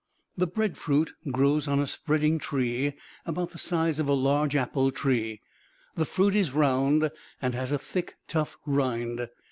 "The breadfruit grows on a spreading tree about the size of a large apple tree; the fruit is round, and has a thick, tough rind.